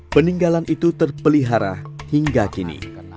peninggalan itu terpelihara hingga kini